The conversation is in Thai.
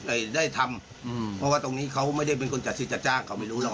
ได้ทำอืมเพราะว่าตรงนี้เขาไม่ได้เป็นคนจัดซื้อจัดจ้างเขาไม่รู้หรอก